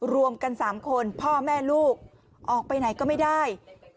รวมกัน๓คนพ่อแม่ลูกออกไปไหนก็ไม่ได้